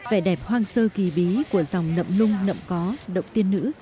vẻ đẹp hoang sơ kỳ bí của dòng nậm lung nậm có động tiên nữ